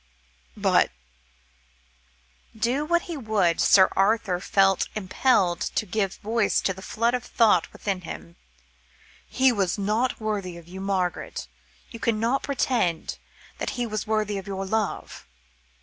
"But" do what he would, Sir Arthur felt impelled to give voice to the flood of thought within him "he was not worthy of you, Margaret. You can't pretend that he was worthy of your love?"